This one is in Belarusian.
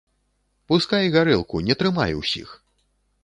Пускай гарэлку, не трымай усіх.